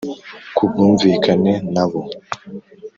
ku bwumvikane na bo.